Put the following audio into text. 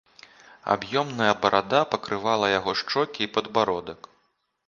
Аб'ёмная барада пакрывала яго шчокі і падбародак.